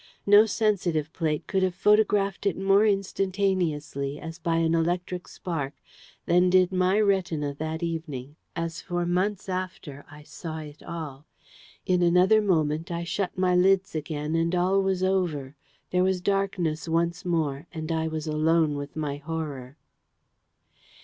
No sensitive plate could have photographed it more instantaneously, as by an electric spark, than did my retina that evening, as for months after I saw it all. In another moment, I shut my lids again, and all was over. There was darkness once more, and I was alone with my Horror.